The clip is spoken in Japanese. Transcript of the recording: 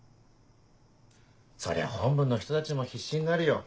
そりゃ本部の人たちも必死になるよ。